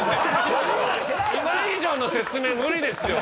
今以上の説明無理ですよ！